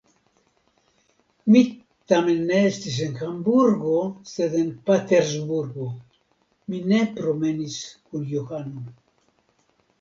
Mi tamen ne estis en Hamburgo, sed en Patersburgo; mi ne promenis kun Johano.